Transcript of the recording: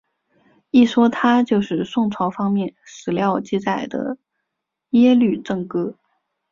一说他就是宋朝方面史料记载的耶律郑哥。